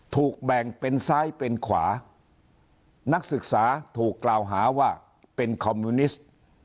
ถูกแบ่งเป็นซ้ายเป็นขวานักศึกษาถูกกล่าวหาว่าเป็นคอมมิวนิสต์